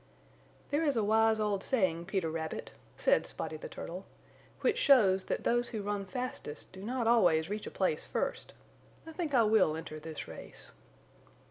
"There is a wise old saying, Peter Rabbit," said Spotty the Turtle, "which shows that those who run fastest do not always reach a place first. I think I WILL enter this race."